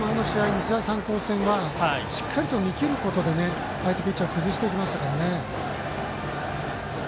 日大三高戦はしっかりと見切ることで相手ピッチャーを崩していきましたからね。